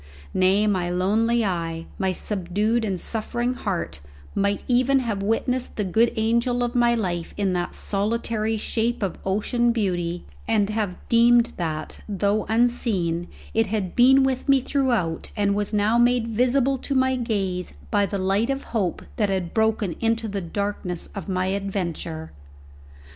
Nay, my lonely eye, my subdued and suffering heart might even have witnessed the good angel of my life in that solitary shape of ocean beauty, and have deemed that, though unseen, it had been with me throughout, and was now made visible to my gaze by the light of hope that had broken into the darkness of my adventure.